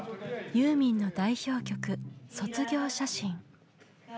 ユーミンの代表曲「卒業写真」。